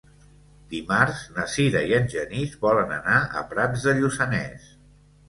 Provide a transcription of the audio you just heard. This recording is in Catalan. Dimarts na Sira i en Genís volen anar a Prats de Lluçanès.